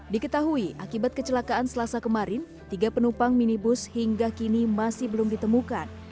diketahui akibat kecelakaan selasa kemarin tiga penumpang minibus hingga kini masih belum ditemukan